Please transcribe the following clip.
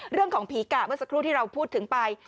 เรื่องของผีกะเมื่อสักครู่ที่เราพูดถึงไป